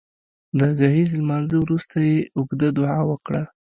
د ګهیځ لمانځه وروسته يې اوږده دعا وکړه